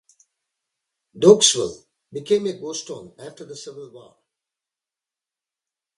Doaksville became a ghost town after the Civil War.